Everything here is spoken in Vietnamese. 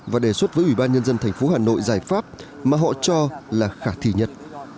và đề xuất với ủy ban nhân dân thành phố hà nội giải pháp mà họ cho là khả thi nhất